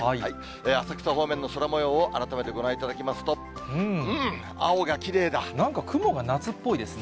浅草方面の空もようを改めてご覧いただきますと、うん、青がきれなんか雲が夏っぽいですね。